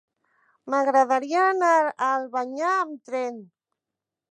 M'agradaria anar a Albanyà amb tren.